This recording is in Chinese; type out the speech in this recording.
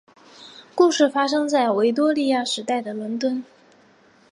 故事发生在维多利亚时代的伦敦。